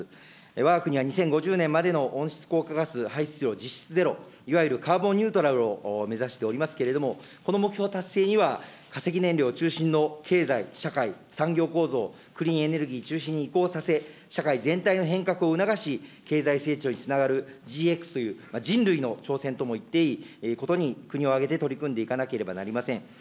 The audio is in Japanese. わが国は２０５０年までの温室効果ガス排出量実質ゼロ、いわゆるカーボンニュートラルを目指しておりますけれども、この目標達成には化石燃料中心の経済、社会、産業構造、クリーンエネルギー中心に移行させ、社会全体の変革を促し、経済成長につながるＧＸという、人類への挑戦とも言っていいことに国を挙げて取り組んでいかなければなりません。